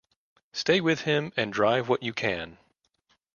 Stay with him and drive what you can.